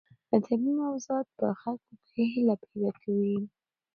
ادبي موضوعات په خلکو کې هیله پیدا کوي.